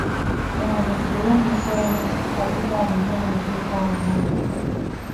ނަމަވެސް ގުޅަން ނުކެރެނީ ފަރީދާ ހިތްހަމަ ނުޖެހިފައި ހުންނާތީ